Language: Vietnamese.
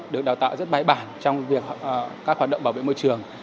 được đào tạo rất bãi bản trong việc các hoạt động bảo vệ môi trường